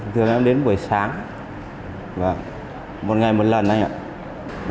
thường em đến buổi sáng và một ngày một lần anh ạ